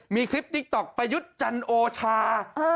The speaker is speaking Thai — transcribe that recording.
มีคลิปติ๊กต๊อกประยุทธ์จันโอชา